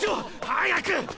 早く！